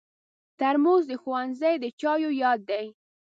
ترموز د ښوونځي د چایو یاد دی.